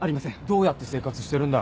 どうやって生活してるんだ？